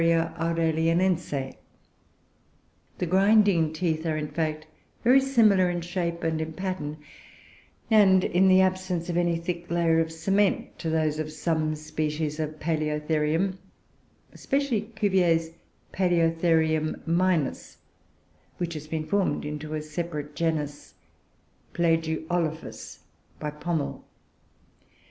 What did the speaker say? aurelianense_. The grinding teeth are in fact very similar in shape and in pattern, and in the absence of any thick layer of cement, to those of some species of Paloeotherium, especially Cuvier's Paloeotherium minus, which has been formed into a separate genus, Plagiolophus, by Pomel.